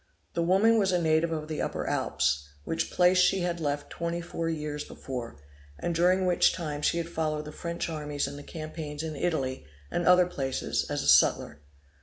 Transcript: The woman was a native of the Upper Alps, which place she had left twenty four years before, and during which time she had followed the French armies in the campaigns in Italy, and other places, as a sutler.